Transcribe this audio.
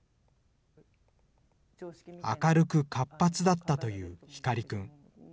明るく活発だったという光くん。